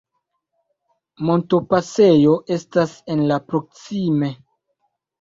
Montopasejo estas en la proksime.